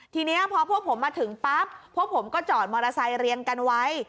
ทีนี้พอพวกผมมาถึงปั๊บพวกผมก็จอดมอเตอร์ไซค์เรียงกันไว้